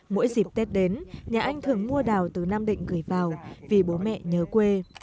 mỗi dịp tết đến nhà anh thường mua đào từ nam định gửi vào vì bố mẹ nhớ quê